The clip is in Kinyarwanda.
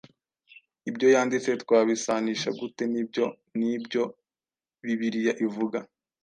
ibyo yanditse twabisanisha gute nibyo nibyo bibiriya ivuga